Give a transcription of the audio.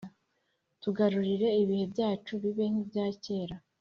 Tugarurire ibihe byacu, Bibe nk’ibya kera.